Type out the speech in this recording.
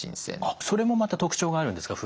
あっそれもまた特徴があるんですか？